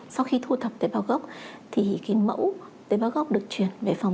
sau khi thu thập tế bảo gốc thì mẫu tế bảo gốc được chuyển về phòng